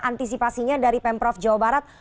antisipasinya dari pemprov jawa barat